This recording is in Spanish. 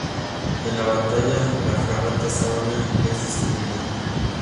En la batalla, la fragata Sabana es destruida.